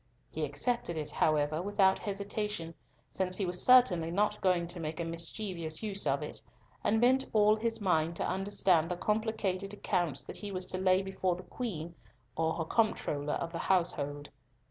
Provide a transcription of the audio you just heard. He accepted it, however, without hesitation, since he was certainly not going to make a mischievous use of it, and bent all his mind to understand the complicated accounts that he was to lay before the Queen or her comptroller of the household.